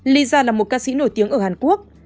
lisa là một ca sĩ nổi tiếng ở hàn quốc